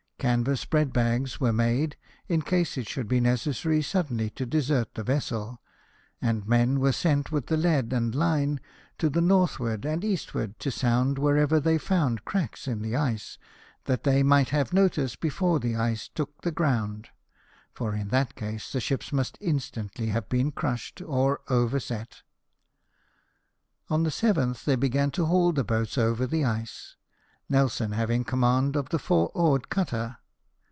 Canvas bread bags were made, in case it should be necessary suddenly to desert the vessels; and men were sent with the lead and line to the northward and eastward, to sound wherever they found cracks in the ice, that they might have notice before the ice ICE BOUND. 11 took the ground ; for in that case, the ships must instantly have been crushed, or overset. On the 7th they began to haul the boats over the ice, Nelson having command of the four oared cutter.